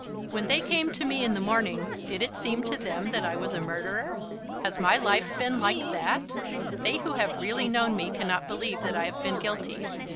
When they came to me in the morning did it seem to them that I was a murderer? Has my life been like that? They who have really known me cannot believe that I have been guilty.